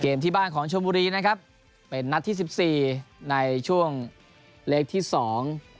ที่บ้านของชมบุรีนะครับเป็นนัดที่สิบสี่ในช่วงเลขที่สอง